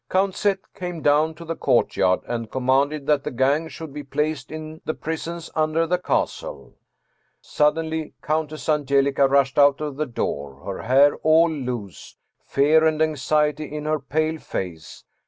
" Count Z. came down to the courtyard and commanded that the gang should be placed in the prisons under the castle. Suddenly Countess Angelica rushed out of the door, her hair all loose, fear and anxiety in her pale face.